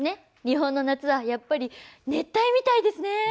日本の夏はやっぱり熱帯みたいですね。